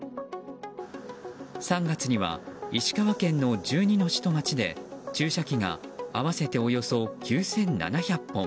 ３月には石川県の１２の市と町で注射器が合わせておよそ９７００本。